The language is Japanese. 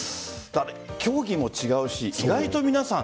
競技も違うし、意外と皆さん